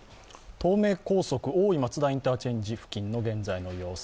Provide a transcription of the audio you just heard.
東名高速・大井松田インターチェンジ付近の現在の様子。